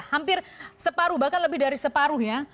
hampir separuh bahkan lebih dari separuh ya